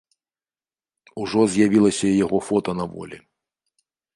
Ужо з'явілася і яго фота на волі.